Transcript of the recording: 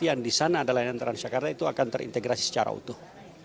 yang di sana adalah layanan transjakarta itu akan terintegrasi secara utuh